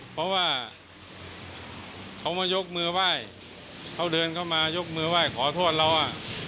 เพราะว่าเขามายกมือไหว้เขาเดินเข้ามายกมือไหว้ขอโทษเรา